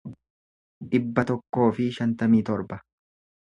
dhibba tokkoo fi shantamii torba